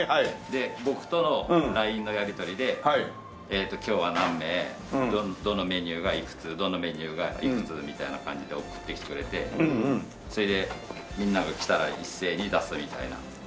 で僕とのＬＩＮＥのやり取りで今日は何名どのメニューがいくつどのメニューがいくつみたいな感じで送ってきてくれてそれでみんなが来たら一斉に出すみたいな。